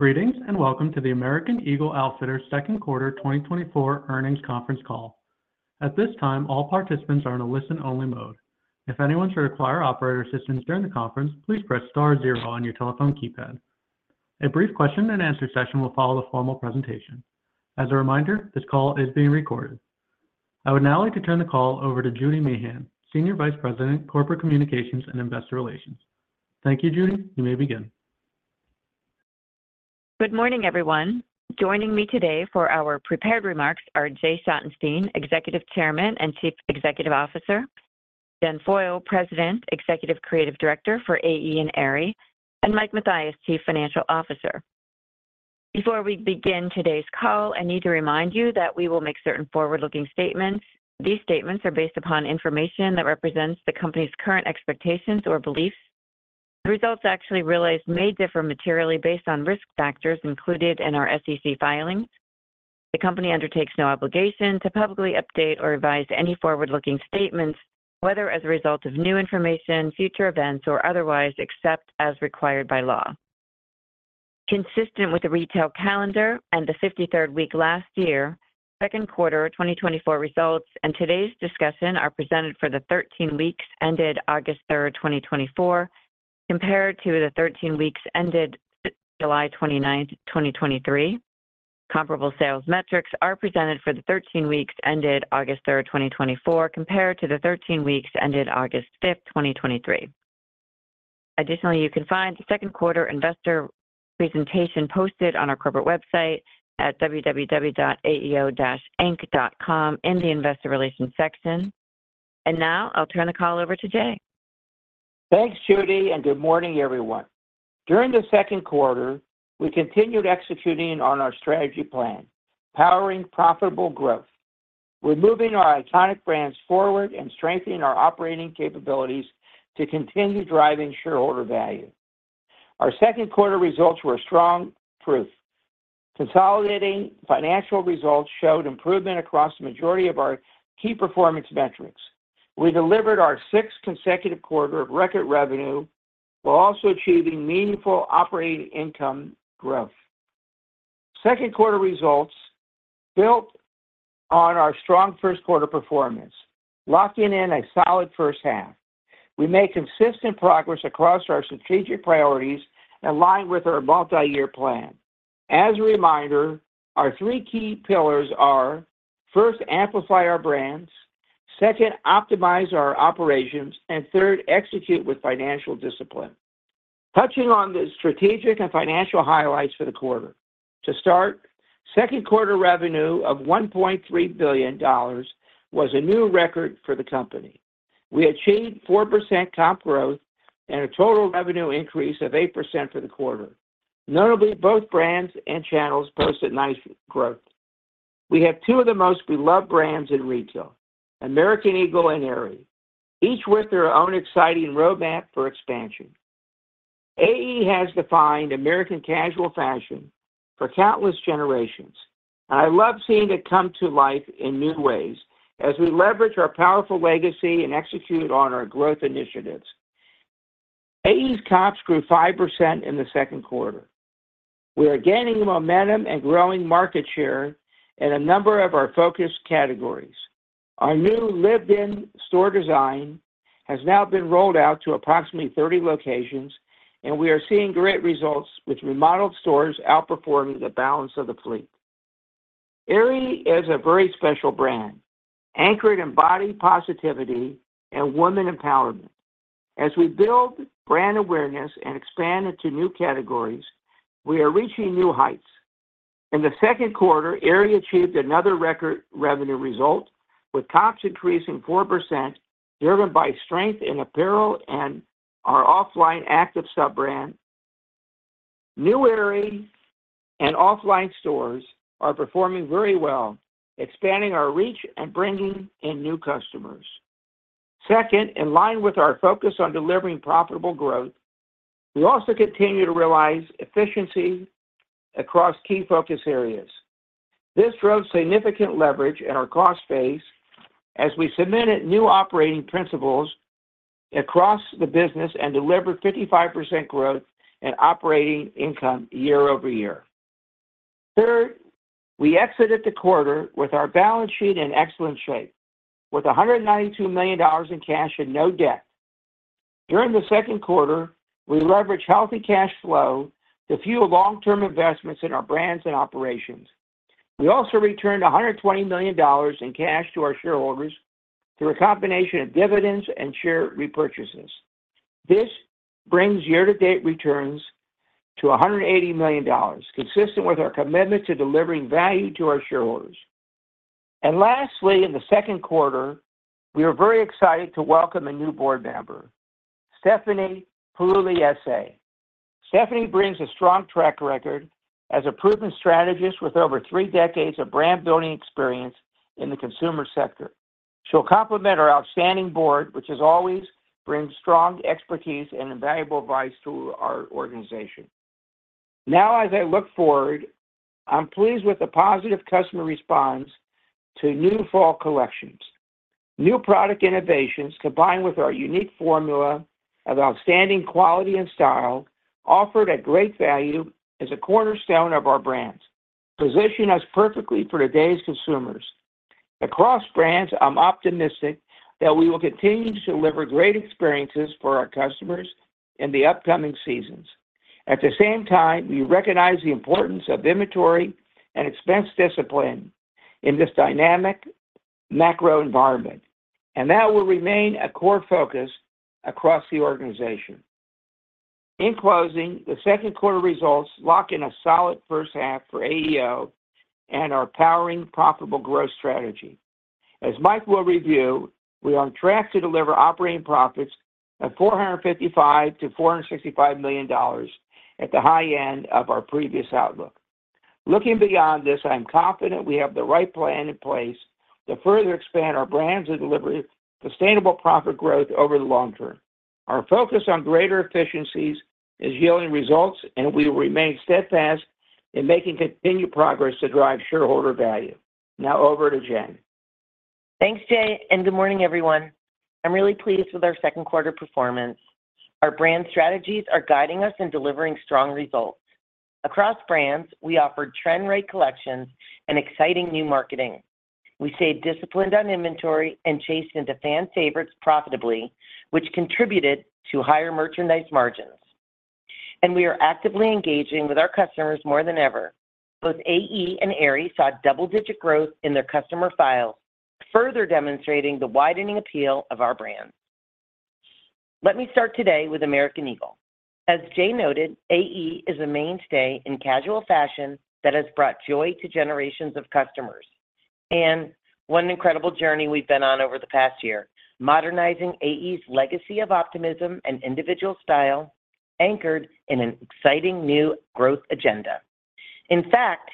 Greetings, and welcome to the American Eagle Outfitters second quarter twenty twenty-four earnings conference call. At this time, all participants are in a listen-only mode. If anyone should require operator assistance during the conference, please press star zero on your telephone keypad. A brief question-and-answer session will follow the formal presentation. As a reminder, this call is being recorded. I would now like to turn the call over to Judy Meehan, Senior Vice President, Corporate Communications and Investor Relations. Thank you, Judy. You may begin. Good morning, everyone. Joining me today for our prepared remarks are Jay Schottenstein, Executive Chairman and Chief Executive Officer, Jen Foyle, President, Executive Creative Director for AE and Aerie, and Mike Mathias, Chief Financial Officer. Before we begin today's call, I need to remind you that we will make certain forward-looking statements. These statements are based upon information that represents the company's current expectations or beliefs. The results actually realized may differ materially based on risk factors included in our SEC filings. The company undertakes no obligation to publicly update or revise any forward-looking statements, whether as a result of new information, future events, or otherwise, except as required by law. Consistent with the retail calendar and the fifty-third week last year, second quarter twenty twenty-four results and today's discussion are presented for the thirteen weeks ended August third, twenty twenty-four, compared to the thirteen weeks ended July twenty-ninth, twenty twenty-three. Comparable sales metrics are presented for the thirteen weeks ended August third, twenty twenty-four, compared to the thirteen weeks ended August fifth, twenty twenty-three. Additionally, you can find the second quarter investor presentation posted on our corporate website at www.aeo-inc.com in the investor relations section. And now, I'll turn the call over to Jay. Thanks, Judy, and good morning, everyone. During the second quarter, we continued executing on our strategy plan, powering profitable growth. We're moving our iconic brands forward and strengthening our operating capabilities to continue driving shareholder value. Our second quarter results were a strong proof. Consolidated financial results showed improvement across the majority of our key performance metrics. We delivered our sixth consecutive quarter of record revenue, while also achieving meaningful operating income growth. Second quarter results built on our strong first quarter performance, locking in a solid first half. We made consistent progress across our strategic priorities in line with our multi-year plan. As a reminder, our three key pillars are: first, amplify our brands, second, optimize our operations, and third, execute with financial discipline. Touching on the strategic and financial highlights for the quarter. To start, second quarter revenue of $1.3 billion was a new record for the company. We achieved 4% comp growth and a total revenue increase of 8% for the quarter. Notably, both brands and channels posted nice growth. We have two of the most beloved brands in retail, American Eagle and Aerie, each with their own exciting roadmap for expansion. AE has defined American casual fashion for countless generations. I love seeing it come to life in new ways as we leverage our powerful legacy and execute on our growth initiatives. AE's comps grew 5% in the second quarter. We are gaining momentum and growing market share in a number of our focus categories. Our new Lived-In store design has now been rolled out to approximately 30 locations, and we are seeing great results with remodeled stores outperforming the balance of the fleet. Aerie is a very special brand, anchored in body positivity and women empowerment. As we build brand awareness and expand into new categories, we are reaching new heights. In the second quarter, Aerie achieved another record revenue result, with comps increasing 4%, driven by strength in apparel and our Offline active sub-brand. New Aerie and Offline stores are performing very well, expanding our reach and bringing in new customers. Second, in line with our focus on delivering profitable growth, we also continue to realize efficiency across key focus areas. This drove significant leverage in our cost base as we cemented new operating principles across the business and delivered 55% growth in operating income year over year. Third, we exited the quarter with our balance sheet in excellent shape, with $192 million in cash and no debt. During the second quarter, we leveraged healthy cash flow to fuel long-term investments in our brands and operations. We also returned $120 million in cash to our shareholders through a combination of dividends and share repurchases. This brings year-to-date returns to $180 million, consistent with our commitment to delivering value to our shareholders. And lastly, in the second quarter, we are very excited to welcome a new board member, Stephanie Pugliese. Stephanie brings a strong track record as a proven strategist with over three decades of brand building experience in the consumer sector. She'll complement our outstanding board, which as always, brings strong expertise and invaluable advice to our organization. Now, as I look forward, I'm pleased with the positive customer response to new fall collections.... New product innovations, combined with our unique formula of outstanding quality and style, offered at great value, is a cornerstone of our brands, positioning us perfectly for today's consumers. Across brands, I'm optimistic that we will continue to deliver great experiences for our customers in the upcoming seasons. At the same time, we recognize the importance of inventory and expense discipline in this dynamic macro environment, and that will remain a core focus across the organization. In closing, the second quarter results lock in a solid first half for AEO and our powering, profitable growth strategy. As Mike will review, we are on track to deliver operating profits of $455 million-$465 million at the high end of our previous outlook. Looking beyond this, I'm confident we have the right plan in place to further expand our brands and deliver sustainable profit growth over the long term. Our focus on greater efficiencies is yielding results, and we will remain steadfast in making continued progress to drive shareholder value. Now over to Jen. Thanks, Jay, and good morning, everyone. I'm really pleased with our second quarter performance. Our brand strategies are guiding us in delivering strong results. Across brands, we offered trend-right collections and exciting new marketing. We stayed disciplined on inventory and chased into fan favorites profitably, which contributed to higher merchandise margins. And we are actively engaging with our customers more than ever. Both AE and Aerie saw double-digit growth in their customer files, further demonstrating the widening appeal of our brands. Let me start today with American Eagle. As Jay noted, AE is a mainstay in casual fashion that has brought joy to generations of customers. And what an incredible journey we've been on over the past year, modernizing AE's legacy of optimism and individual style, anchored in an exciting new growth agenda. In fact,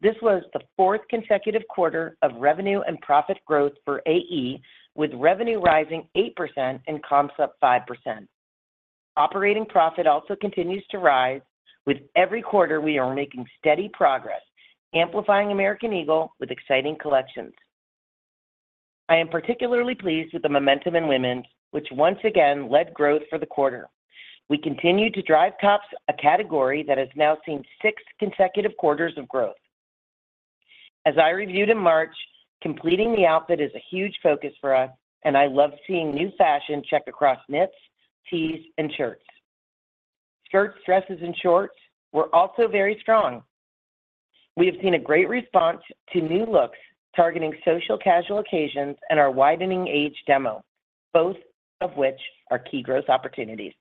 this was the fourth consecutive quarter of revenue and profit growth for AE, with revenue rising 8% and comps up 5%. Operating profit also continues to rise. With every quarter, we are making steady progress, amplifying American Eagle with exciting collections. I am particularly pleased with the momentum in women's, which once again led growth for the quarter. We continue to drive tops, a category that has now seen six consecutive quarters of growth. As I reviewed in March, completing the outfit is a huge focus for us, and I love seeing new fashion check across knits, tees, and shirts. Skirts, dresses, and shorts were also very strong. We have seen a great response to new looks, targeting social casual occasions and our widening age demo, both of which are key growth opportunities.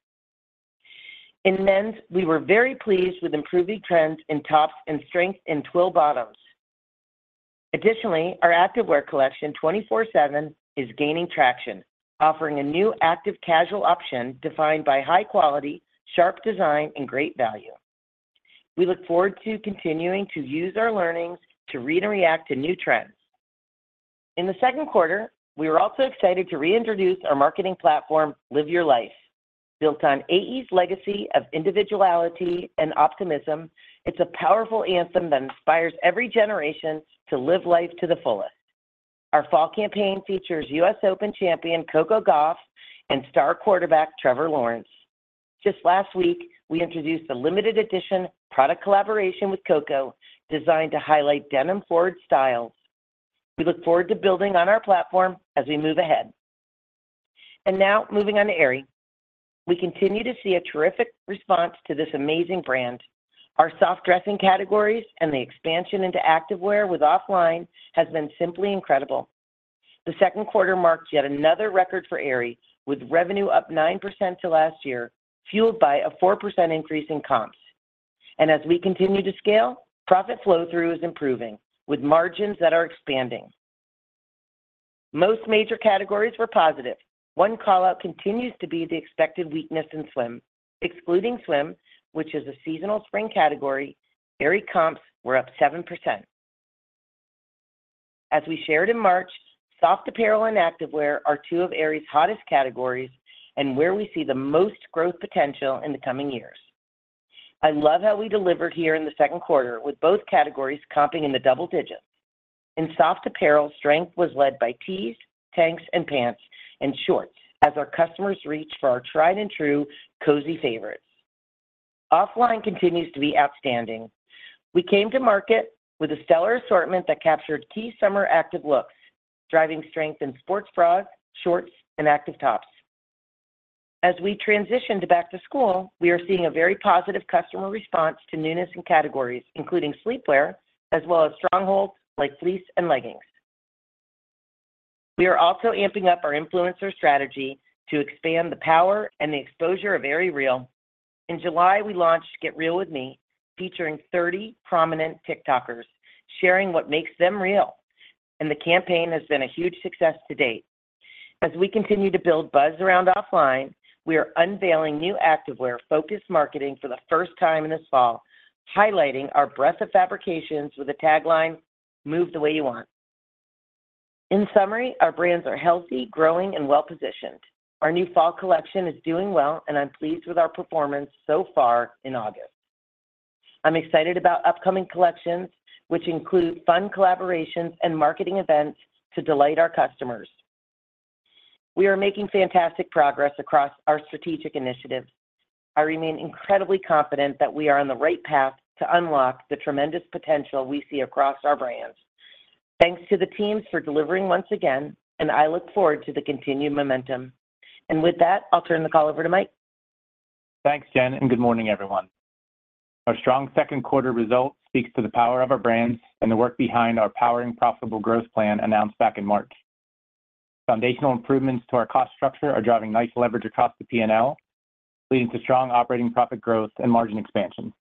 In men's, we were very pleased with improving trends in tops and strength in twill bottoms. Additionally, our activewear collection, 24/7, is gaining traction, offering a new active casual option defined by high quality, sharp design, and great value. We look forward to continuing to use our learnings to read and react to new trends. In the second quarter, we were also excited to reintroduce our marketing platform, Live Your Life. Built on AE's legacy of individuality and optimism, it's a powerful anthem that inspires every generation to live life to the fullest. Our fall campaign features U.S. Open champion, Coco Gauff, and star quarterback, Trevor Lawrence. Just last week, we introduced a limited edition product collaboration with Coco, designed to highlight denim forward styles. We look forward to building on our platform as we move ahead. And now moving on to Aerie. We continue to see a terrific response to this amazing brand. Our soft dressing categories and the expansion into activewear with Offline has been simply incredible. The second quarter marked yet another record for Aerie, with revenue up 9% to last year, fueled by a 4% increase in comps. And as we continue to scale, profit flow-through is improving, with margins that are expanding. Most major categories were positive. One call-out continues to be the expected weakness in swim. Excluding swim, which is a seasonal spring category, Aerie comps were up 7%. As we shared in March, soft apparel and activewear are two of Aerie's hottest categories and where we see the most growth potential in the coming years. I love how we delivered here in the second quarter, with both categories comping in the double digits. In soft apparel, strength was led by tees, tanks, and pants and shorts, as our customers reached for our tried-and-true cozy favorites. Offline continues to be outstanding. We came to market with a stellar assortment that captured key summer active looks, driving strength in sports bras, shorts, and active tops. As we transition to back to school, we are seeing a very positive customer response to newness in categories, including sleepwear, as well as strongholds like fleece and leggings. We are also amping up our influencer strategy to expand the power and the exposure of Aerie Real. In July, we launched Get Real With Me, featuring 30 prominent TikTokers, sharing what makes them real, and the campaign has been a huge success to date. As we continue to build buzz around Offline, we are unveiling new activewear-focused marketing for the first time this fall, highlighting our breadth of fabrications with the tagline, "Move the way you want." In summary, our brands are healthy, growing, and well-positioned. Our new fall collection is doing well, and I'm pleased with our performance so far in August. I'm excited about upcoming collections, which include fun collaborations and marketing events to delight our customers. We are making fantastic progress across our strategic initiatives. I remain incredibly confident that we are on the right path to unlock the tremendous potential we see across our brands. Thanks to the teams for delivering once again, and I look forward to the continued momentum, and with that, I'll turn the call over to Mike. Thanks, Jen, and good morning, everyone. Our strong second quarter results speaks to the power of our brands and the work behind our powering profitable growth plan announced back in March. Foundational improvements to our cost structure are driving nice leverage across the P&L, leading to strong operating profit growth and margin expansion.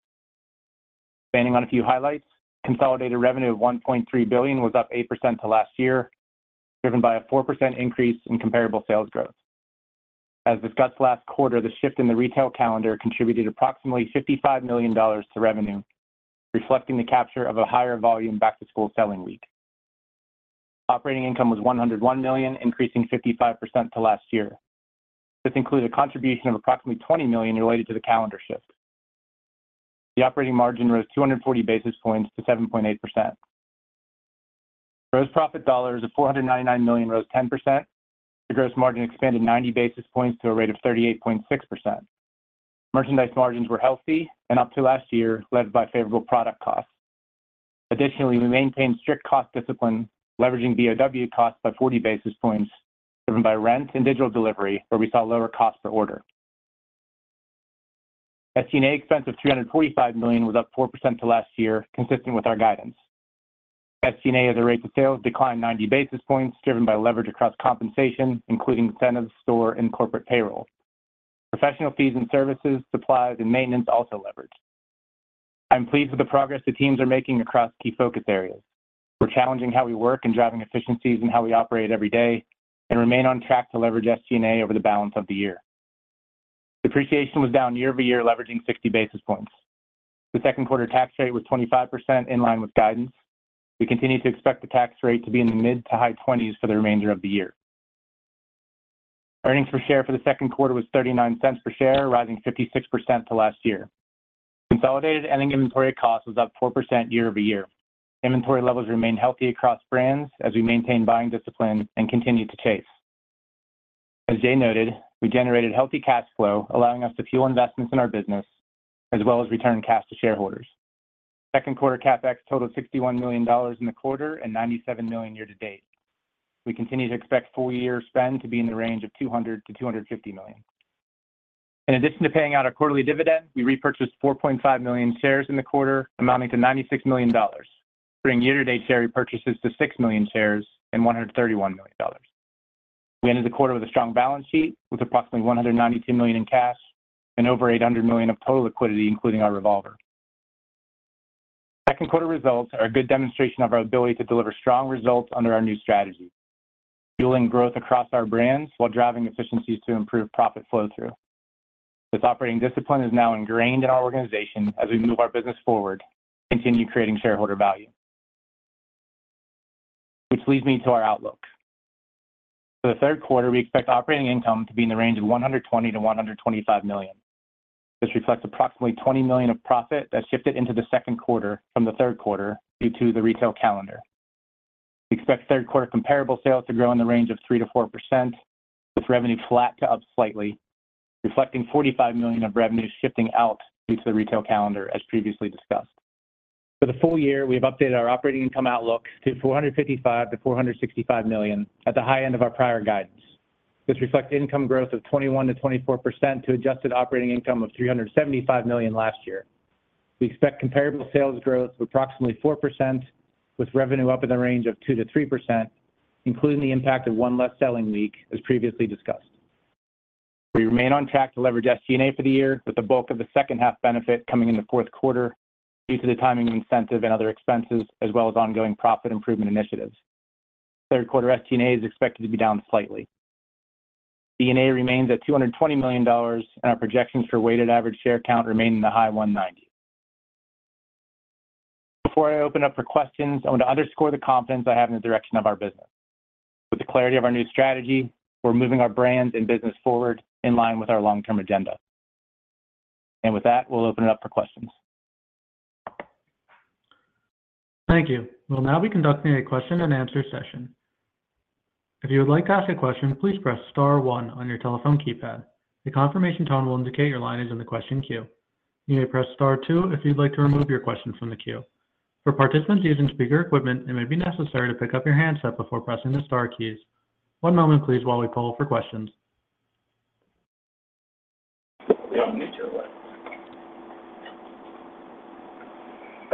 Expanding on a few highlights, consolidated revenue of $1.3 billion was up 8% to last year, driven by a 4% increase in comparable sales growth. As discussed last quarter, the shift in the retail calendar contributed approximately $55 million to revenue, reflecting the capture of a higher volume back-to-school selling week. Operating income was $101 million, increasing 55% to last year. This includes a contribution of approximately $20 million related to the calendar shift. The operating margin rose 240 basis points to 7.8%. Gross profit dollars of $499 million rose 10%. The gross margin expanded 90 basis points to a rate of 38.6%. Merchandise margins were healthy and up to last year, led by favorable product costs. Additionally, we maintained strict cost discipline, leveraging BOW costs by 40 basis points, driven by rent and digital delivery, where we saw lower cost per order. SG&A expense of $345 million was up 4% to last year, consistent with our guidance. SG&A as a rate of sales declined 90 basis points, driven by leverage across compensation, including incentives, store, and corporate payroll. Professional fees and services, supplies, and maintenance also leveraged. I'm pleased with the progress the teams are making across key focus areas. We're challenging how we work and driving efficiencies in how we operate every day and remain on track to leverage SG&A over the balance of the year. Depreciation was down year over year, leveraging sixty basis points. The second quarter tax rate was 25%, in line with guidance. We continue to expect the tax rate to be in the mid- to high-20s% for the remainder of the year. Earnings per share for the second quarter was $0.39 per share, rising 56% to last year. Consolidated ending inventory cost was up 4% year over year. Inventory levels remain healthy across brands as we maintain buying discipline and continue to chase. As Jay noted, we generated healthy cash flow, allowing us to fuel investments in our business, as well as return cash to shareholders. Second quarter CapEx totaled $61 million in the quarter and $97 million year to date. We continue to expect full year spend to be in the range of $200 million to $250 million. In addition to paying out a quarterly dividend, we repurchased 4.5 million shares in the quarter, amounting to $96 million, bringing year-to-date share repurchases to 6 million shares and $131 million. We ended the quarter with a strong balance sheet, with approximately $192 million in cash and over $800 million of total liquidity, including our revolver. Second quarter results are a good demonstration of our ability to deliver strong results under our new strategy, fueling growth across our brands while driving efficiencies to improve profit flow through. This operating discipline is now ingrained in our organization as we move our business forward, continue creating shareholder value. Which leads me to our outlook. For the third quarter, we expect operating income to be in the range of $120 million-$125 million. This reflects approximately $20 million of profit that shifted into the second quarter from the third quarter due to the retail calendar. We expect third quarter comparable sales to grow in the range of 3%-4%, with revenue flat to up slightly, reflecting $45 million of revenue shifting out due to the retail calendar, as previously discussed. For the full year, we have updated our operating income outlook to $455 million-$465 million at the high end of our prior guidance. This reflects income growth of 21%-24% to adjusted operating income of $375 million last year. We expect comparable sales growth of approximately 4%, with revenue up in the range of 2%-3%, including the impact of one less selling week, as previously discussed. We remain on track to leverage SG&A for the year, with the bulk of the second half benefit coming in the fourth quarter due to the timing of incentive and other expenses, as well as ongoing profit improvement initiatives. Third quarter SG&A is expected to be down slightly. D&A remains at $220 million, and our projections for weighted average share count remain in the high 190s. Before I open up for questions, I want to underscore the confidence I have in the direction of our business. With the clarity of our new strategy, we're moving our brands and business forward in line with our long-term agenda, and with that, we'll open it up for questions. Thank you. We'll now be conducting a question and answer session. If you would like to ask a question, please press star one on your telephone keypad. The confirmation tone will indicate your line is in the question queue. You may press star two if you'd like to remove your question from the queue. For participants using speaker equipment, it may be necessary to pick up your handset before pressing the star keys. One moment, please, while we call for questions.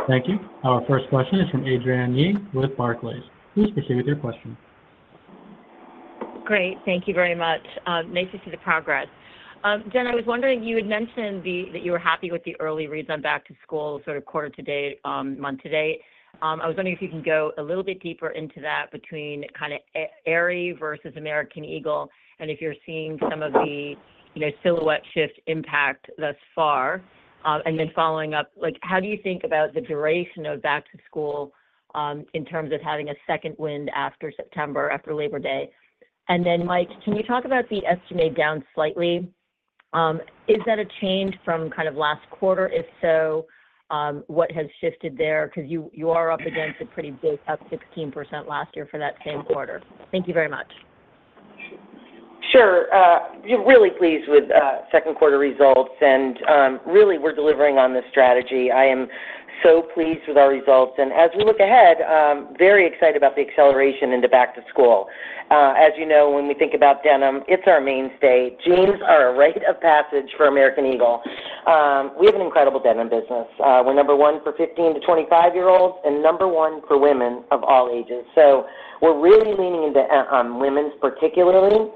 Thank you. Our first question is from Adrienne Yih with Barclays. Please proceed with your question. Great. Thank you very much, nice to see the progress. Jen, I was wondering, you had mentioned that you were happy with the early reads on back-to-school, sort of quarter to date, month to date. I was wondering if you can go a little bit deeper into that between kinda, Aerie versus American Eagle, and if you're seeing some of the, you know, silhouette shift impact thus far. And then following up, like, how do you think about the duration of back to school, in terms of having a second wind after September, after Labor Day? And then, Mike, can you talk about the estimate down slightly? Is that a change from kind of last quarter? If so, what has shifted there? Because you are up against a pretty big up 16% last year for that same quarter. Thank you very much. Sure. We're really pleased with second quarter results, and really, we're delivering on this strategy. I am so pleased with our results, and as we look ahead, I'm very excited about the acceleration in the back to school. As you know, when we think about denim, it's our mainstay. Jeans are a rite of passage for American Eagle. We have an incredible denim business. We're number one for fifteen to twenty-five year olds and number one for women of all ages. So we're really leaning into on women's, particularly.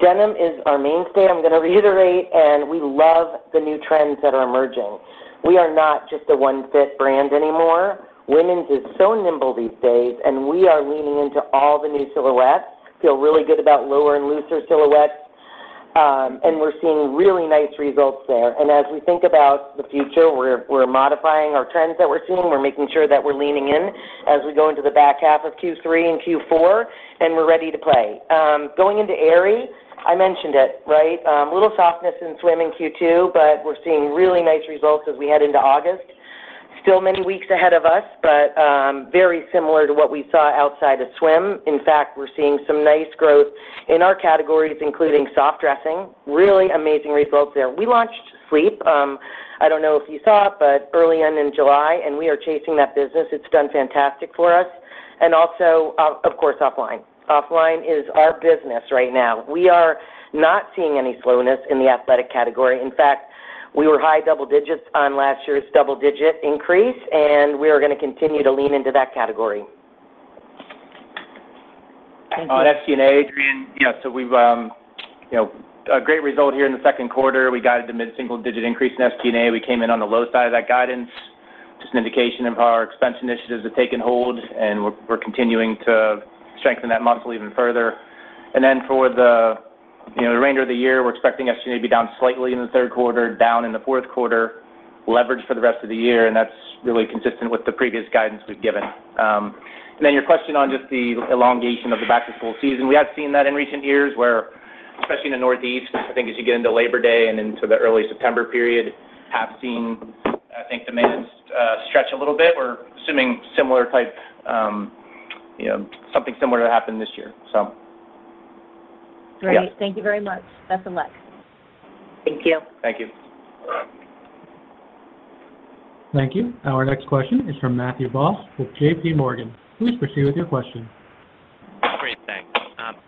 Denim is our mainstay, I'm gonna reiterate, and we love the new trends that are emerging. We are not just a one-fit brand anymore. Women's is so nimble these days, and we are leaning into all the new silhouettes. Feel really good about lower and looser silhouettes, and we're seeing really nice results there. And as we think about the future, we're modifying our trends that we're seeing. We're making sure that we're leaning in as we go into the back half of Q3 and Q4, and we're ready to play. Going into Aerie, I mentioned it, right? A little softness in swim in Q2, but we're seeing really nice results as we head into August. Still many weeks ahead of us, but very similar to what we saw outside of swim. In fact, we're seeing some nice growth in our categories, including soft dressing. Really amazing results there. We launched Sleep, I don't know if you saw it, but early on in July, and we are chasing that business. It's done fantastic for us. And also, of course, offline. Offline is our business right now. We are not seeing any slowness in the athletic category. In fact, we were high double digits on last year's double-digit increase, and we are gonna continue to lean into that category. Thank you. On SG&A, Adrienne, yeah, so we've, you know, a great result here in the second quarter. We guided the mid-single-digit increase in SG&A. We came in on the low side of that guidance, just an indication of how our expense initiatives have taken hold, and we're continuing to strengthen that monthly even further. And then for the, you know, the remainder of the year, we're expecting SG&A to be down slightly in the third quarter, down in the fourth quarter, leverage for the rest of the year, and that's really consistent with the previous guidance we've given. And then your question on just the elongation of the back-to-school season, we have seen that in recent years where, especially in the Northeast, I think as you get into Labor Day and into the early September period, have seen, I think, demand stretch a little bit. We're assuming similar type, you know, something similar to happen this year, so. Great. Yeah. Thank you very much. Best of luck. Thank you. Thank you. Thank you. Our next question is from Matthew Boss with J.P. Morgan. Please proceed with your question. Great. Thanks.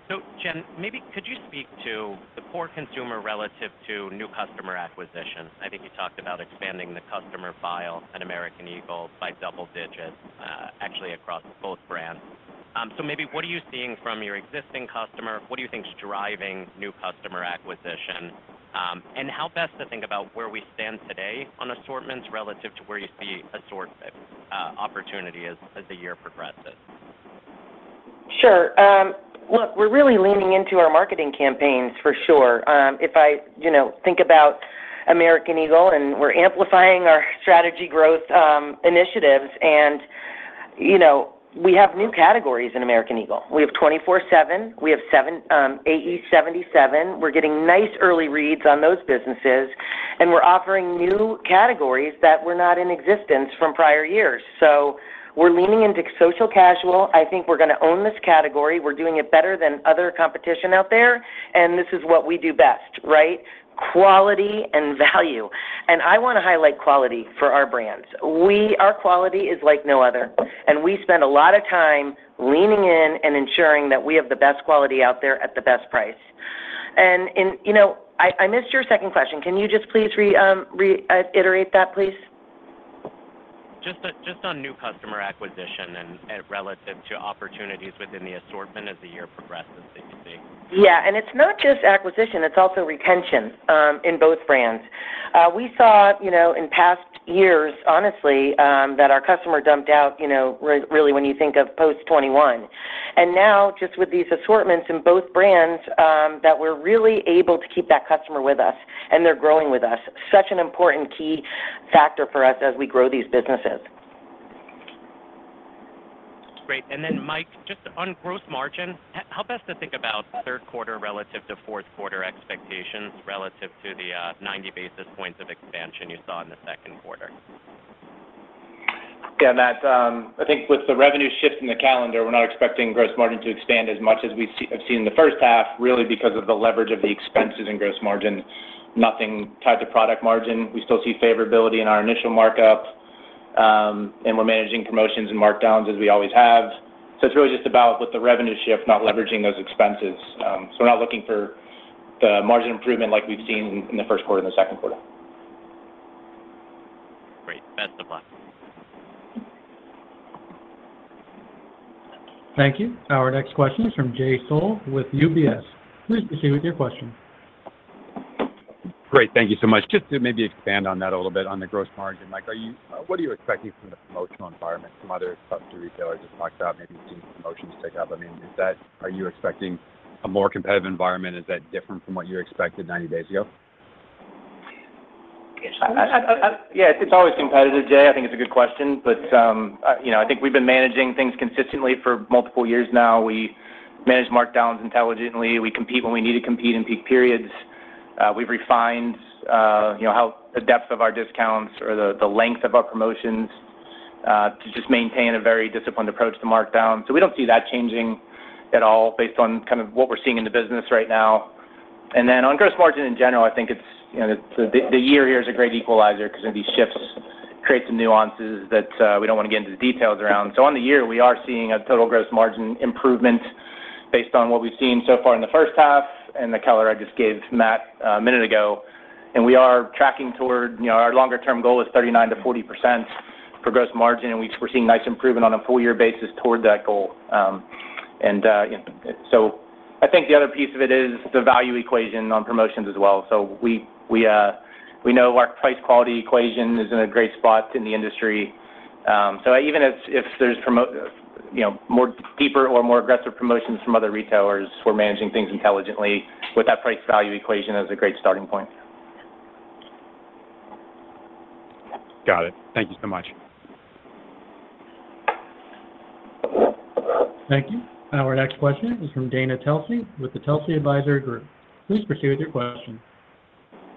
So Jen, maybe could you speak to the core consumer relative to new customer acquisition? I think you talked about expanding the customer file at American Eagle by double digits, actually across both brands. So maybe what are you seeing from your existing customer? What do you think is driving new customer acquisition? And how best to think about where we stand today on assortments relative to where you see assortment opportunity as the year progresses? Sure. Look, we're really leaning into our marketing campaigns for sure. If I, you know, think about American Eagle, and we're amplifying our strategy growth initiatives, and, you know, we have new categories in American Eagle. We have 24/7, we have seven, AE77. We're getting nice early reads on those businesses, and we're offering new categories that were not in existence from prior years. So we're leaning into social casual. I think we're gonna own this category. We're doing it better than other competition out there, and this is what we do best, right? Quality and value. And I wanna highlight quality for our brands. We. Our quality is like no other, and we spend a lot of time leaning in and ensuring that we have the best quality out there at the best price. And in. You know, I missed your second question. Can you just please reiterate that, please? Just on new customer acquisition and relative to opportunities within the assortment as the year progresses that you're seeing. Yeah, and it's not just acquisition, it's also retention, in both brands. We saw, you know, in past years, honestly, that our customer dropped out, you know, really when you think of post-2021. And now, just with these assortments in both brands, that we're really able to keep that customer with us, and they're growing with us. Such an important key factor for us as we grow these businesses. Great. And then, Mike, just on gross margin, how best to think about third quarter relative to fourth quarter expectations, relative to the ninety basis points of expansion you saw in the second quarter? Yeah, Matt, I think with the revenue shift in the calendar, we're not expecting gross margin to expand as much as we've seen in the first half, really, because of the leverage of the expenses and gross margin, nothing tied to product margin. We still see favorability in our initial markup, and we're managing promotions and markdowns as we always have. So it's really just about with the revenue shift, not leveraging those expenses. So we're not looking for the margin improvement like we've seen in the first quarter and the second quarter. Great. Best of luck. Thank you. Our next question is from Jay Sole with UBS. Please proceed with your question. Great. Thank you so much. Just to maybe expand on that a little bit, on the gross margin, Mike, what are you expecting from the promotional environment? Some other softer retailers just talked about maybe seeing promotions tick up. I mean, are you expecting a more competitive environment? Is that different from what you expected ninety days ago? yeah, it's always competitive, Jay. I think it's a good question, but, you know, I think we've been managing things consistently for multiple years now. We manage markdowns intelligently. We compete when we need to compete in peak periods. We've refined, you know, how the depth of our discounts or the length of our promotions, to just maintain a very disciplined approach to markdown. So we don't see that changing at all based on kind of what we're seeing in the business right now. And then on gross margin in general, I think it's, you know, the year here is a great equalizer 'cause then these shifts create some nuances that, we don't wanna get into the details around. On the year, we are seeing a total gross margin improvement based on what we've seen so far in the first half and the color I just gave Matt a minute ago. We are tracking toward, you know, our longer term goal is 39%-40% for gross margin, and we're seeing nice improvement on a full year basis toward that goal. I think the other piece of it is the value equation on promotions as well. We know our price quality equation is in a great spot in the industry. Even if there's, you know, more deeper or more aggressive promotions from other retailers, we're managing things intelligently with that price value equation as a great starting point. Got it. Thank you so much. Thank you. Our next question is from Dana Telsey, with the Telsey Advisory Group. Please proceed with your question.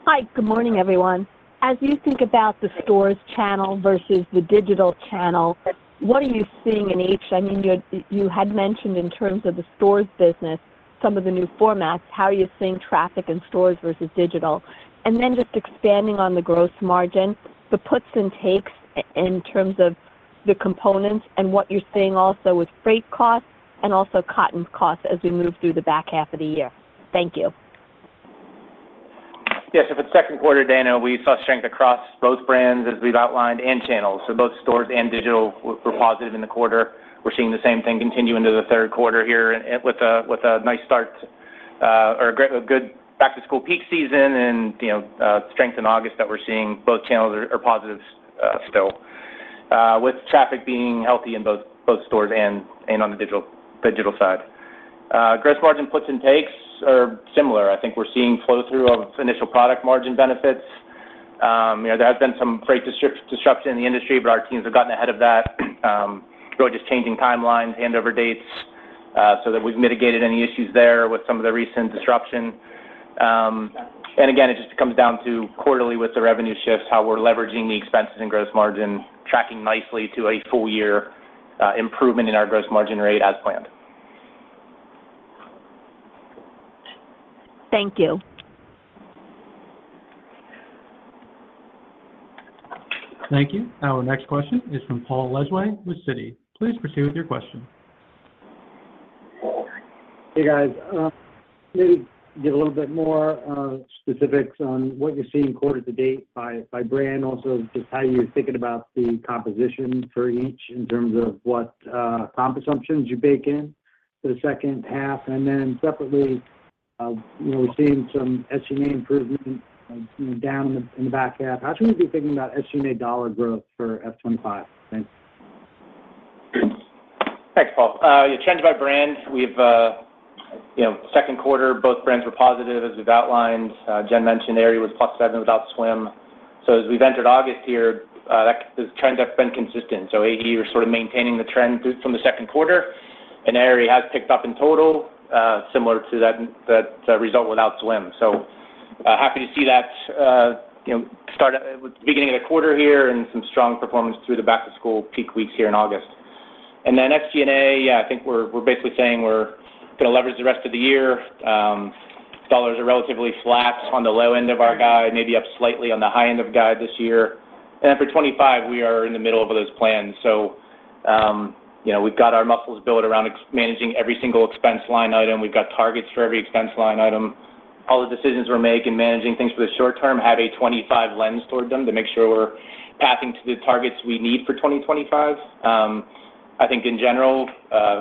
Hi. Good morning, everyone. As you think about the stores channel versus the digital channel, what are you seeing in each? I mean, you had mentioned in terms of the stores business, some of the new formats, how are you seeing traffic in stores versus digital? And then just expanding on the gross margin, the puts and takes in terms of the components and what you're seeing also with freight costs and also cotton costs as we move through the back half of the year. Thank you. Yes, so for the second quarter, Dana, we saw strength across both brands, as we've outlined, and channels. So both stores and digital were positive in the quarter. We're seeing the same thing continue into the third quarter here, and with a nice start or a great, a good back-to-school peak season and, you know, strength in August that we're seeing. Both channels are positives still, with traffic being healthy in both stores and on the digital side. Gross margin puts and takes are similar. I think we're seeing flow-through of initial product margin benefits. You know, there has been some freight disruption in the industry, but our teams have gotten ahead of that through just changing timelines, handover dates, so that we've mitigated any issues there with some of the recent disruption. And again, it just comes down to quarterly with the revenue shifts, how we're leveraging the expenses and gross margin, tracking nicely to a full year, improvement in our gross margin rate as planned. Thank you. Thank you. Our next question is from Paul Lejuez with Citi. Please proceed with your question. Hey, guys. Maybe get a little bit more specifics on what you're seeing quarter to date by brand. Also, just how you're thinking about the composition for each in terms of what comp assumptions you bake in for the second half. And then separately, we're seeing some SG&A improvement down in the back half. How should we be thinking about SG&A dollar growth for F twenty-five? Thanks. Thanks, Paul. Yeah, change by brand, we've, you know, second quarter, both brands were positive, as we've outlined. Jen mentioned Aerie was +7% without swim. So as we've entered August here, that the trends have been consistent. So AE, we're sort of maintaining the trend boost from the second quarter, and Aerie has picked up in total, similar to that result without swim. So, happy to see that, you know, start with the beginning of the quarter here and some strong performance through the back-to-school peak weeks here in August. And then SG&A, yeah, I think we're basically saying we're gonna leverage the rest of the year. Dollars are relatively flat on the low end of our guide, maybe up slightly on the high end of guide this year. And then for 2025, we are in the middle of those plans. So, you know, we've got our muscles built around managing every single expense line item. We've got targets for every expense line item. All the decisions we're making, managing things for the short term, have a 2025 lens toward them to make sure we're pathing to the targets we need for 2025. I think in general,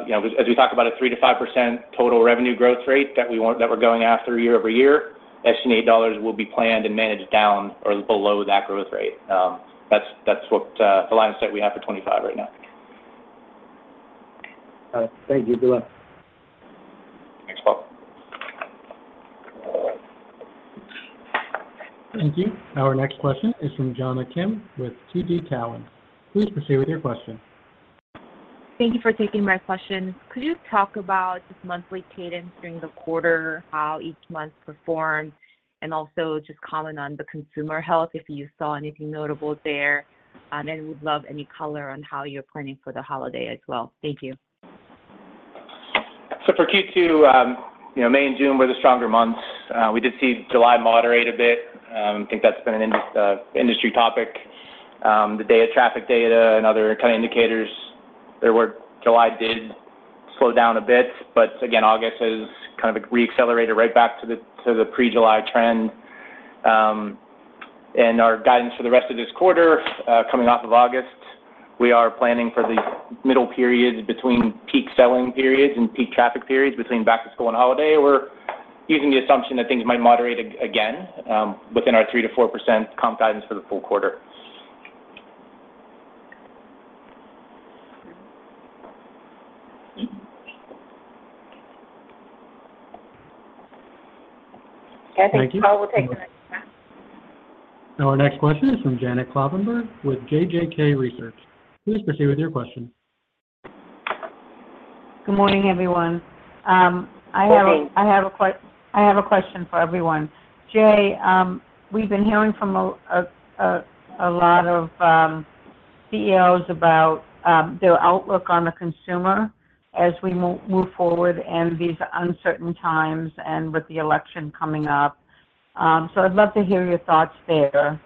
you know, as, as we talk about a 3%-5% total revenue growth rate that we want that we're going after year over year, SG&A dollars will be planned and managed down or below that growth rate. That's, that's what, the line of sight we have for 2025 right now. Thank you. Good luck. Thanks, Paul. Thank you. Our next question is from Jonna Kim, with TD Cowen. Please proceed with your question. Thank you for taking my question. Could you talk about just monthly cadence during the quarter, how each month performed, and also just comment on the consumer health, if you saw anything notable there? And would love any color on how you're planning for the holiday as well. Thank you. So for Q2, you know, May and June were the stronger months. We did see July moderate a bit. I think that's been an industry topic. The daily traffic data and other kind of indicators, there were... July did slow down a bit, but again, August has kind of re-accelerated right back to the, to the pre-July trend. And our guidance for the rest of this quarter, coming off of August, we are planning for the middle period between peak selling periods and peak traffic periods, between back to school and holiday. We're using the assumption that things might moderate again, within our 3%-4% comp guidance for the full quarter. I think Paul will take the next one. Our next question is from Janet Kloppenberg with JJK Research. Please proceed with your question. Good morning, everyone. Good morning. I have a question for everyone. Jay, we've been hearing from a lot of CEOs about their outlook on the consumer as we move forward in these uncertain times and with the election coming up, so I'd love to hear your thoughts there.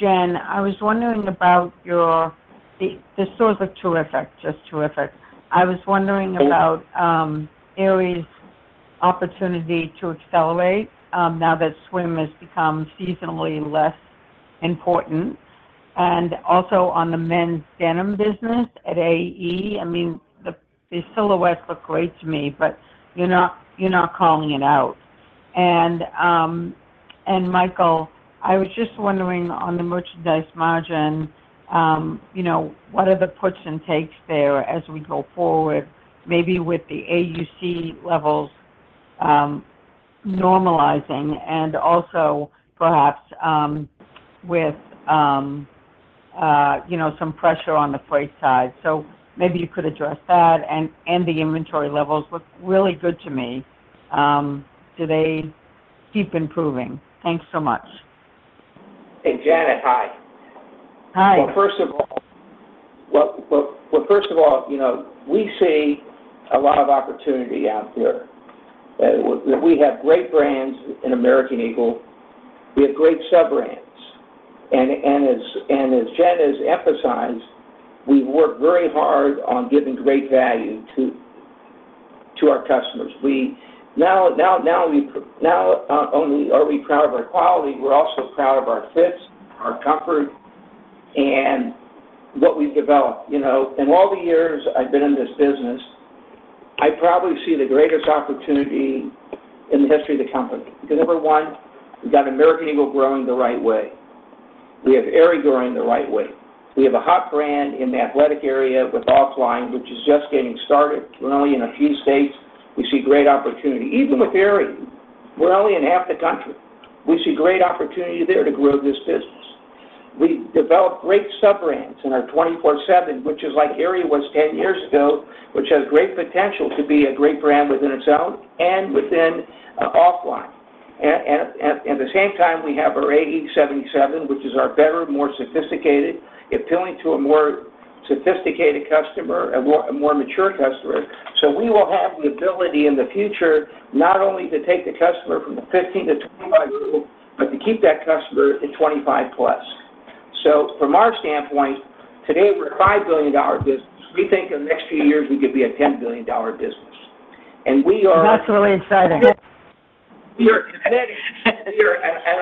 Jen, I was wondering about your... The stores look terrific, just terrific. I was wondering about Aerie's opportunity to accelerate now that swim has become seasonally less important, and also on the men's denim business at AE. I mean, the silhouettes look great to me, but you're not calling it out. Michael, I was just wondering, on the merchandise margin, you know, what are the puts and takes there as we go forward, maybe with the AUC levels normalizing and also perhaps with, you know, some pressure on the price side? So maybe you could address that. The inventory levels look really good to me, do they keep improving? Thanks so much. Hey, Janet, hi. Hi. You know, we see a lot of opportunity out there. We have great brands in American Eagle. We have great sub-brands. And as Jen has emphasized, we've worked very hard on giving great value to our customers. We now not only are we proud of our quality, we're also proud of our fits, our comfort, and what we've developed. You know, in all the years I've been in this business, I probably see the greatest opportunity in the history of the company. Because, number one, we've got American Eagle growing the right way. We have Aerie growing the right way. We have a hot brand in the athletic area with Offline, which is just getting started. We're only in a few states. We see great opportunity. Even with Aerie, we're only in half the country. We see great opportunity there to grow this business. We've developed great sub-brands in our 24/7, which is like Aerie was ten years ago, which has great potential to be a great brand within itself and within Offline. And at the same time, we have our AE77, which is our better, more sophisticated, appealing to a more sophisticated customer, a more mature customer. So we will have the ability in the future not only to take the customer from the 15 to 25 group, but to keep that customer in 25+. So from our standpoint, today, we're a $5 billion business. We think in the next few years, we could be a $10 billion business. And we are- That's really exciting. We are, and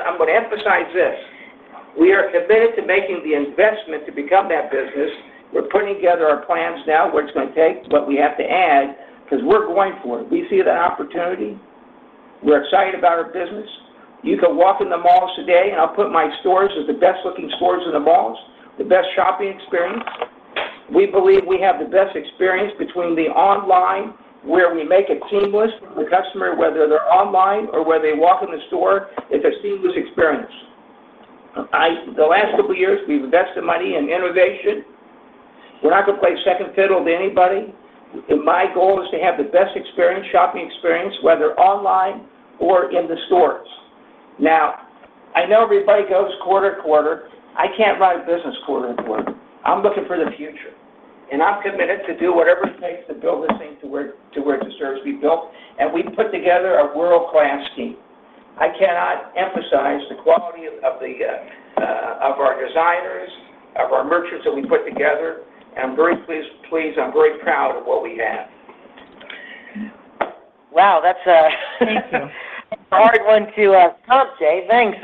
I'm going to emphasize this: We are committed to making the investment to become that business. We're putting together our plans now, what it's going to take, what we have to add, because we're going for it. We see the opportunity. We're excited about our business. You can walk in the malls today, and I'll put my stores as the best looking stores in the malls, the best shopping experience. We believe we have the best experience between the online, where we make it seamless for the customer, whether they're online or whether they walk in the store, it's a seamless experience. I. The last couple of years, we've invested money in innovation. We're not going to play second fiddle to anybody. My goal is to have the best experience, shopping experience, whether online or in the stores. Now, I know everybody goes quarter to quarter. I can't run a business quarter to quarter. I'm looking for the future, and I'm committed to do whatever it takes to build this thing to where it deserves to be built. And we put together a world-class team. I cannot emphasize the quality of, of the, of our designers, of our merchants that we put together. I'm very pleased. I'm very proud of what we have. Wow, that's a hard one to top, Jay. Thanks.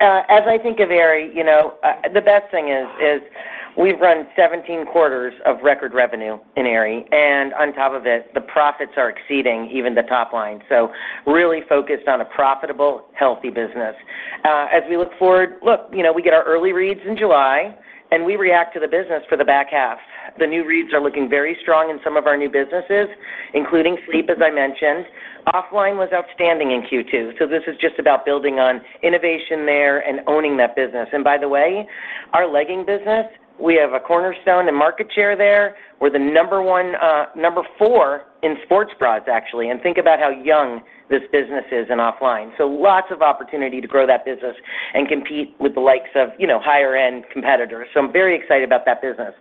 As I think of Aerie, you know, the best thing is we've run seventeen quarters of record revenue in Aerie, and on top of it, the profits are exceeding even the top line. So really focused on a profitable, healthy business. As we look forward, you know, we get our early reads in July, and we react to the business for the back half. The new reads are looking very strong in some of our new businesses, including sleep, as I mentioned. Offline was outstanding in Q2, so this is just about building on innovation there and owning that business. And by the way, our leggings business, we have a cornerstone in market share there. We're the number one, number four in sports bras, actually, and think about how young this business is in offline. So lots of opportunity to grow that business and compete with the likes of, you know, higher-end competitors. So I'm very excited about that business.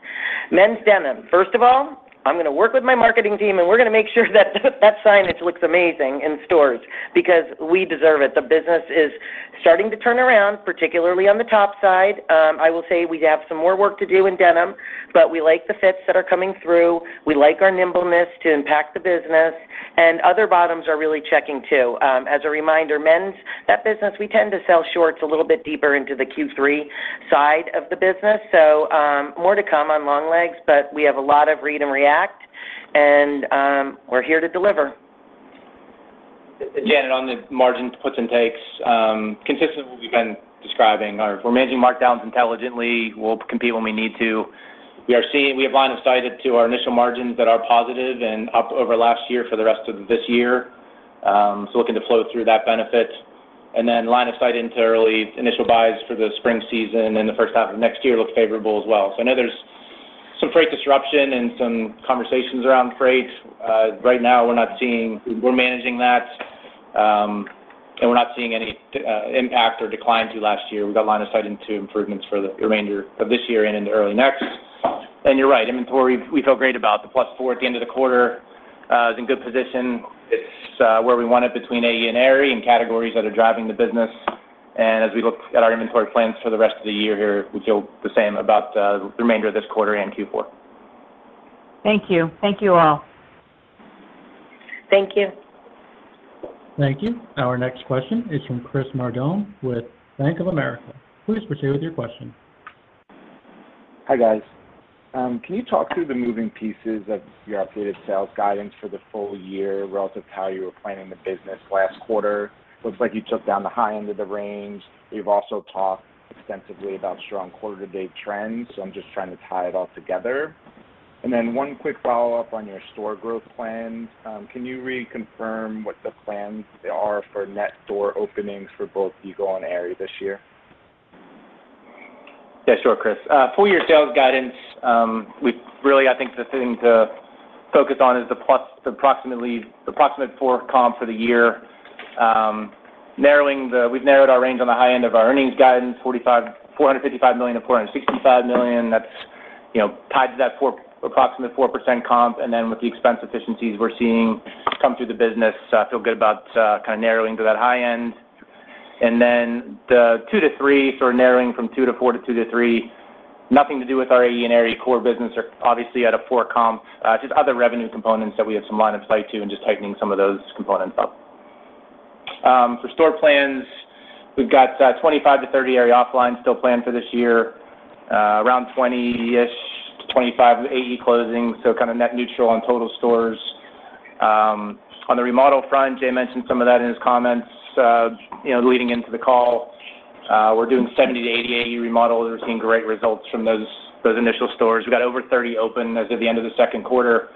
Men's denim. First of all, I'm going to work with my marketing team, and we're going to make sure that that signage looks amazing in stores because we deserve it. The business is starting to turn around, particularly on the top side. I will say we have some more work to do in denim, but we like the fits that are coming through. We like our nimbleness to impact the business, and other bottoms are really checking, too. As a reminder, men's, that business, we tend to sell shorts a little bit deeper into the Q3 side of the business. So, more to come on long legs, but we have a lot of read and react, and we're here to deliver. Janet, on the margin puts and takes, consistent with what we've been describing, we're managing markdowns intelligently. We'll compete when we need to. We are seeing, we have line of sight into our initial margins that are positive and up over last year for the rest of this year. So looking to flow through that benefit. And then line of sight into early initial buys for the spring season and the first half of next year looks favorable as well. So I know there's some freight disruption and some conversations around freight. Right now, we're not seeing. We're managing that, and we're not seeing any impact or decline to last year. We've got line of sight into improvements for the remainder of this year and into early next. And you're right, inventory, we feel great about. The plus four at the end of the quarter is in good position. It's where we want it between AE and Aerie, and categories that are driving the business. As we look at our inventory plans for the rest of the year here, we feel the same about the remainder of this quarter and Q4. Thank you. Thank you, all. Thank you. Thank you. Our next question is from Chris Nardone with Bank of America. Please proceed with your question. Hi, guys. Can you talk through the moving pieces of your updated sales guidance for the full year relative to how you were planning the business last quarter? Looks like you took down the high end of the range. You've also talked extensively about strong quarter-to-date trends, so I'm just trying to tie it all together, and then one quick follow-up on your store growth plans. Can you reconfirm what the plans are for net store openings for both Eagle and Aerie this year? Yeah, sure, Chris. Full year sales guidance, we really, I think the thing to focus on is the approximate four comp for the year. We've narrowed our range on the high end of our earnings guidance, $455 million-$465 million. That's, you know, tied to that approximate 4% comp, and then with the expense efficiencies we're seeing come through the business, feel good about kind of narrowing to that high end. And then the 2% to 3%, sort of narrowing from 2% to 4% to 2% to 3%, nothing to do with our AE and Aerie core business are obviously at a 4% comp, just other revenue components that we have some line of sight to and just tightening some of those components up. For store plans, we've got 25-30 Aerie offlines still planned for this year, around 20-ish to 25 AE closings, so kind of net neutral on total stores. On the remodel front, Jay mentioned some of that in his comments, you know, leading into the call. We're doing 70-80 AE remodels. We're seeing great results from those initial stores. We got over 30 open as of the end of the second quarter.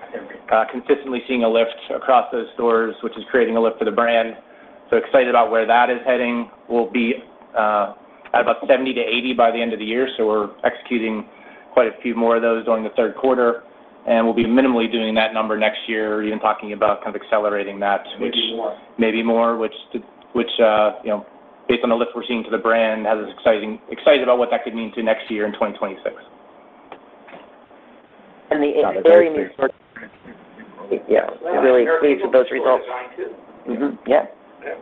Consistently seeing a lift across those stores, which is creating a lift for the brand. Excited about where that is heading. We'll be at about 70-80 by the end of the year, so we're executing quite a few more of those during the third quarter, and we'll be minimally doing that number next year, even talking about kind of accelerating that to Maybe more. Maybe more, which, you know, based on the lift we're seeing to the brand, has us excited about what that could mean to next year in 2026. And the Aerie, yeah, really pleased with those results. Yeah. Yeah. Okay,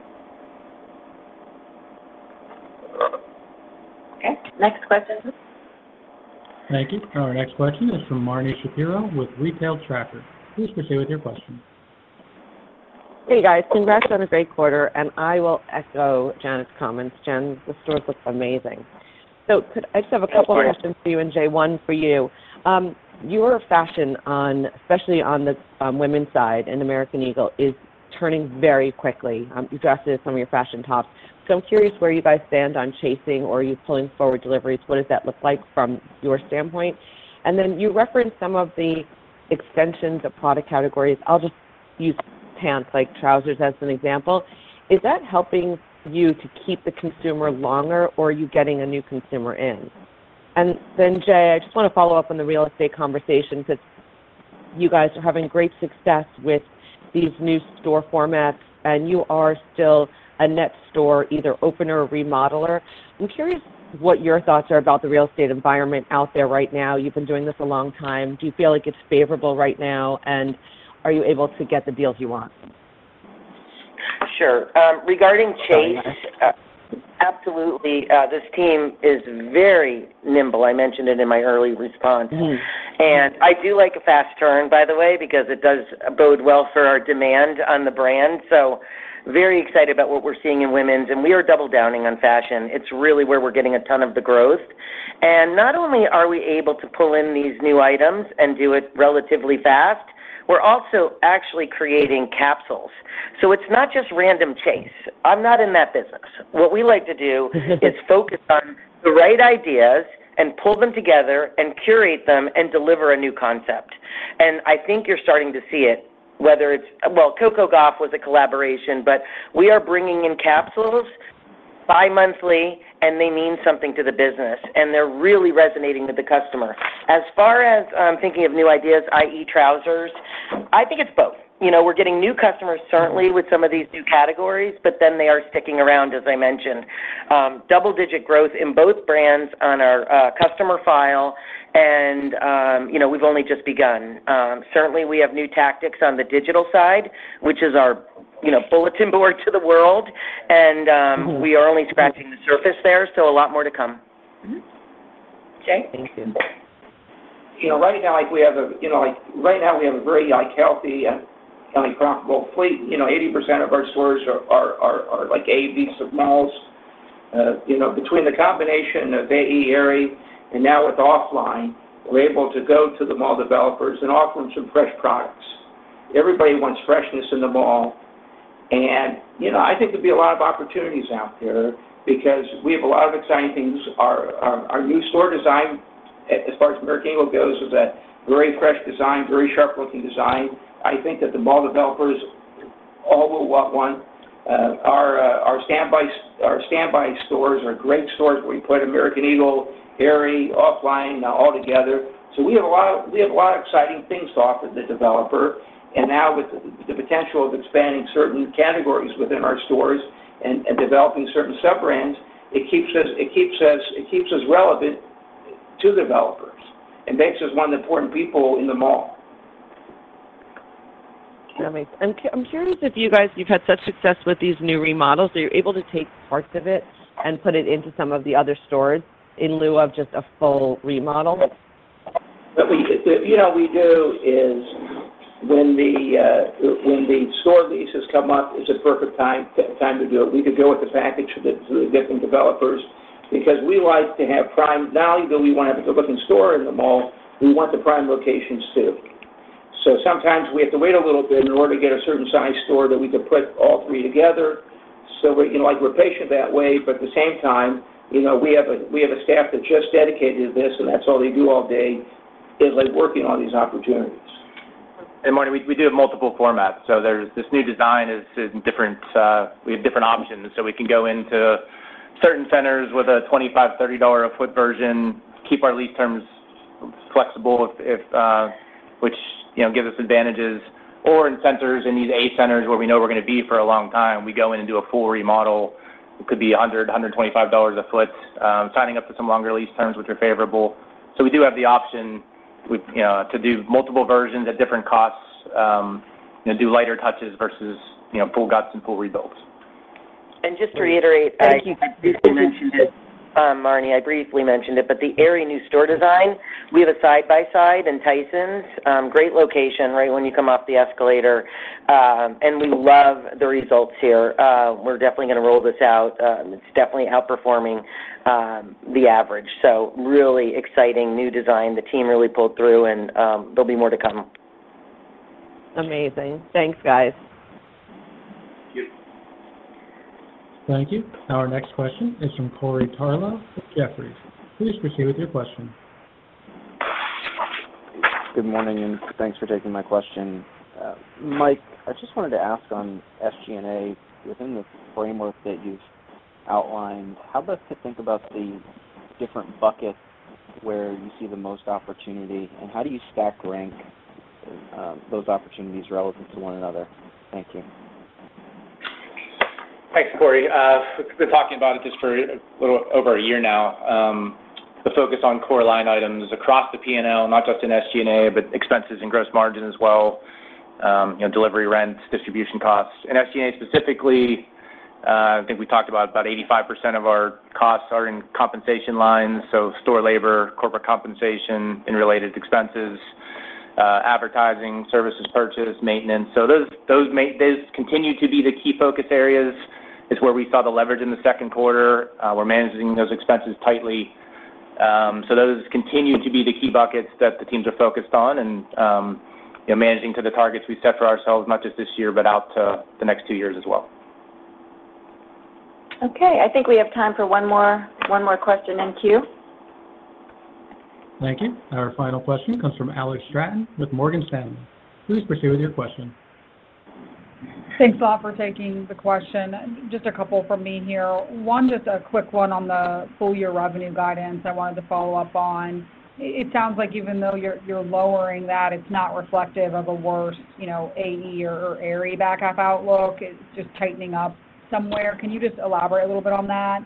next question. Thank you. Our next question is from Marni Shapiro with Retail Tracker. Please proceed with your question. Hey, guys. Congrats on a great quarter, and I will echo Janet's comments. Jen, the stores look amazing. So could... I just have a couple- Thanks, Marni. Questions for you and Jay. One for you. Your fashion on, especially on the women's side in American Eagle, is turning very quickly. You've drafted some of your fashion tops. So I'm curious where you guys stand on chasing or are you pulling forward deliveries? What does that look like from your standpoint? And then you referenced some of the extensions of product categories. I'll just use pants, like trousers, as an example. Is that helping you to keep the consumer longer, or are you getting a new consumer in? And then, Jay, I just want to follow up on the real estate conversations. It's, you guys are having great success with these new store formats, and you are still a net store, either opener or remodeler. I'm curious what your thoughts are about the real estate environment out there right now. You've been doing this a long time. Do you feel like it's favorable right now, and are you able to get the deals you want? Sure. Regarding Chase, absolutely, this team is very nimble. I mentioned it in my early response. And I do like a fast turn, by the way, because it does bode well for our demand on the brand. So very excited about what we're seeing in women's, and we are doubling down on fashion. It's really where we're getting a ton of the growth. And not only are we able to pull in these new items and do it relatively fast, we're also actually creating capsules. So it's not just random chase. I'm not in that business. What we like to do This focus on the right ideas and pull them together and curate them and deliver a new concept. And I think you're starting to see it, whether it's. Well, Coco Gauff was a collaboration, but we are bringing in capsules bimonthly, and they mean something to the business, and they're really resonating with the customer. As far as I'm thinking of new ideas, i.e., trousers, I think it's both. You know, we're getting new customers, certainly, with some of these new categories, but then they are sticking around, as I mentioned. Double-digit growth in both brands on our customer file and, you know, we've only just begun. Certainly, we have new tactics on the digital side, which is our, you know, bulletin board to the world, and we are only scratching the surface there, so a lot more to come. Jay? Thank you. You know, right now, like we have a very, like, healthy and, like, profitable fleet. You know, 80% of our stores are like A, B malls. You know, between the combination of AE, Aerie, and now with Offline, we're able to go to the mall developers and offer them some fresh products. Everybody wants freshness in the mall. You know, I think there'll be a lot of opportunities out there because we have a lot of exciting things. Our new store design, as far as American Eagle goes, is a very fresh design, very sharp looking design. I think that the mall developers all will want one. Our side-by-side stores are great stores, where we put American Eagle, Aerie, Offline, now all together. We have a lot of exciting things to offer the developer, and now with the potential of expanding certain categories within our stores and developing certain sub-brands, it keeps us relevant to developers and makes us one of the important people in the mall. That makes... And I'm curious if you guys, you've had such success with these new remodels, are you able to take parts of it and put it into some of the other stores in lieu of just a full remodel? But we, you know, what we do is when the store leases come up, it's a perfect time to do it. We could go with the package to the different developers because we like to have prime... Not only do we want to have a good looking store in the mall, we want the prime locations, too. So sometimes we have to wait a little bit in order to get a certain size store that we can put all three together. So we, you know, like, we're patient that way, but at the same time, you know, we have a staff that's just dedicated to this, and that's all they do all day, is like working on these opportunities. Marni, we do have multiple formats, so there's this new design is different, we have different options. So we can go into certain centers with a $25-$30 a foot version, keep our lease terms flexible, if which you know gives us advantages. Or in centers, in these eight centers, where we know we're gonna be for a long time, we go in and do a full remodel. It could be a $100-$125 a foot, signing up for some longer lease terms, which are favorable. So we do have the option with you know to do multiple versions at different costs, and do lighter touches versus you know full guts and full rebuilds. And just to reiterate, I briefly mentioned it, Marni, but the Aerie new store design, we have a side-by-side in Tysons, great location, right when you come off the escalator, and we love the results here. We're definitely gonna roll this out. It's definitely outperforming the average. So really exciting new design. The team really pulled through and, there'll be more to come. Amazing. Thanks, guys. Thank you. Thank you. Our next question is from Corey Tarlowe with Jefferies. Please proceed with your question. Good morning, and thanks for taking my question. Mike, I just wanted to ask on SG&A, within the framework that you've outlined, how about to think about the different buckets where you see the most opportunity, and how do you stack rank those opportunities relevant to one another? Thank you. Thanks, Corey. We've been talking about this for a little over a year now. The focus on core line items across the P&L, not just in SG&A, but expenses and gross margin as well, you know, delivery, rent, distribution costs. In SG&A specifically, I think we talked about, about 85% of our costs are in compensation lines, so store labor, corporate compensation and related expenses, advertising, services purchased, maintenance. So those main... Those continue to be the key focus areas. It's where we saw the leverage in the second quarter. We're managing those expenses tightly. So those continue to be the key buckets that the teams are focused on and, you know, managing to the targets we set for ourselves, not just this year, but out to the next two years as well. Okay, I think we have time for one more, one more question in queue. Thank you. Our final question comes from Alex Straton with Morgan Stanley. Please proceed with your question. Thanks a lot for taking the question. Just a couple from me here. One, just a quick one on the full year revenue guidance I wanted to follow up on. It sounds like even though you're lowering that, it's not reflective of a worse, you know, AE or Aerie back half outlook. It's just tightening up somewhere. Can you just elaborate a little bit on that?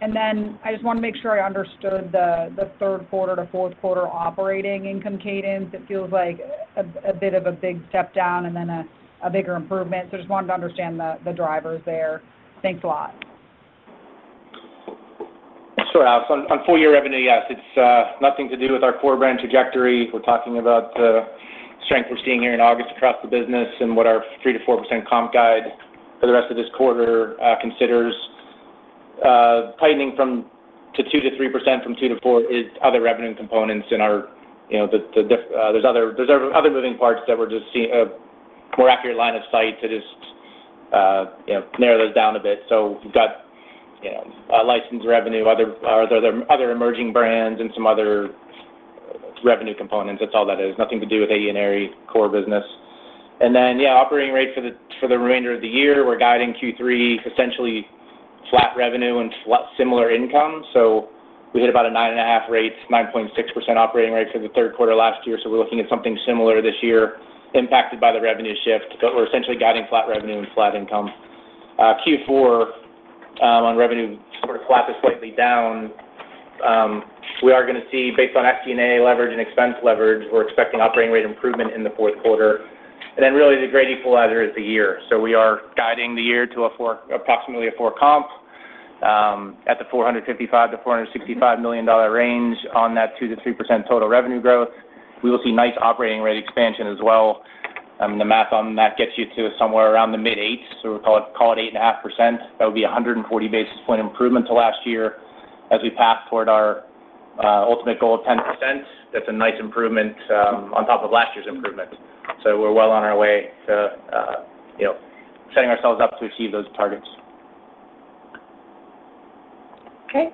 And then, I just want to make sure I understood the third quarter to fourth quarter operating income cadence. It feels like a bit of a big step down and then a bigger improvement. So I just wanted to understand the drivers there. Thanks a lot. Sure, Alex. On full year revenue, yes, it's nothing to do with our core brand trajectory. We're talking about the strength we're seeing here in August across the business and what our 3-4% comp guide for the rest of this quarter considers. Tightening to 2-3% from 2-4% is other revenue components in our, you know, the difference. There's other moving parts that we're just seeing a more accurate line of sight to just, you know, narrow those down a bit. So we've got, you know, license revenue, other emerging brands and some other revenue components. That's all that is. Nothing to do with AE and Aerie core business. And then, yeah, operating rate for the remainder of the year, we're guiding Q3, essentially flat revenue and flat similar income. So we hit about a nine and a half rate, 9.6% operating rate for the third quarter last year, so we're looking at something similar this year, impacted by the revenue shift, but we're essentially guiding flat revenue and flat income. Q4, on revenue, sort of flat to slightly down. We are gonna see, based on SG&A leverage and expense leverage, we're expecting operating rate improvement in the fourth quarter. And then really, the great equalizer is the year. So we are guiding the year to 4%, approximately 4% comp, at the $455-$465 million range on that 2%-3% total revenue growth. We will see nice operating rate expansion as well. The math on that gets you to somewhere around the mid eights. So we'll call it eight and a half percent. That would be a hundred and forty basis point improvement to last year, as we pass toward our ultimate goal of 10%. That's a nice improvement on top of last year's improvement. So we're well on our way to you know, setting ourselves up to achieve those targets. Okay.